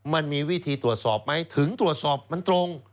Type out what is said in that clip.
มันมีวิธีตรวจสอบไหมถึงตรวจสอบมันตรง